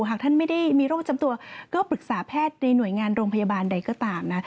หากท่านไม่ได้มีโรคจำตัวก็ปรึกษาแพทย์ในหน่วยงานโรงพยาบาลใดก็ตามนะ